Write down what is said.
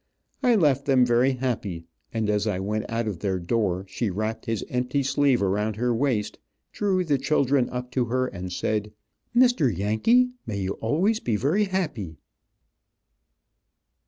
I left them very happy, and as I went out of their door she wrapped his empty sleeve around her waist, drew the children up to her, and said, "Mr. Yankee, may you always be very happy."